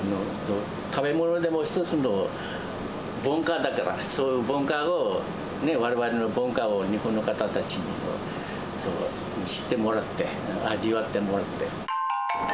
食べ物でも一つの文化だから、そういう文化をね、われわれの文化を、日本の方たちに知ってもらって、味わってもらって。